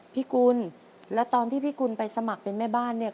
พี่กุญแล้วตอนที่พี่กุญไปสมัครเป็นแม่บ้าน